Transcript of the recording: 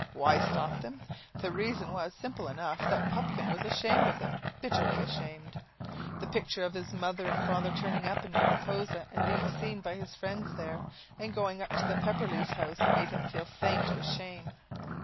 Why stop them? The reason was, simple enough, that Pupkin was ashamed of them, bitterly ashamed. The picture of his mother and father turning up in Mariposa and being seen by his friends there and going up to the Pepperleigh's house made him feel faint with shame.